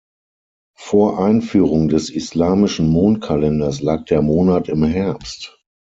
Vor Einführung des islamischen Mondkalenders lag der Monat im Herbst.